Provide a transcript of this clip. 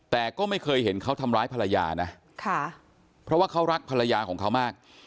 แต่ก็ไม่เคยเห็นเขาทำร้ายภรรยานะค่ะเพราะว่าเขารักภรรยาของเขามาก